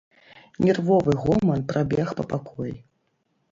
Нервовы гоман прабег па пакоі.